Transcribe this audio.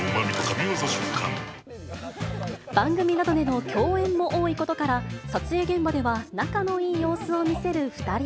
番組などでの共演も多いことから、撮影現場では、仲のいい様子を見せる２人。